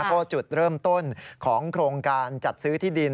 เพราะจุดเริ่มต้นของโครงการจัดซื้อที่ดิน